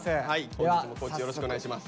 本日も地よろしくお願いします。